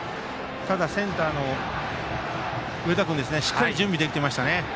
ただ、センターの上田君しっかり準備できていましたね。